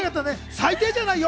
最低じゃないよ。